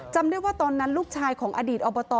จำได้ว่าตอนนั้นลูกชายของอดีตอบต